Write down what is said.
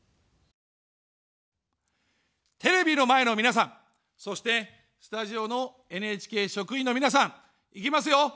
テレビの前の皆さん、そしてスタジオのＮＨＫ職員の皆さん、いきますよ。